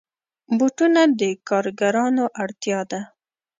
بوټونه د کارګرانو اړتیا ده.